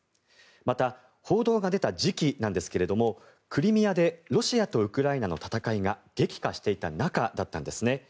また、報道が出た時期なんですがクリミアでロシアとウクライナの戦いが激化していた中だったんですね。